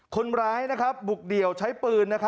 คนร้ายบุกเดี่ยวใช้ปืน